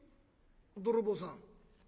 泥棒さん」。